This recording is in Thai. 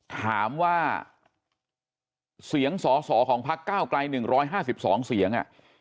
ถามว่าเสียงสอสอของพักก้าวไกล๑๕๒เสียง